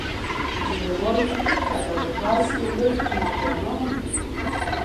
ځینې وایي حتی په پوځ کې لوی قوماندان وو.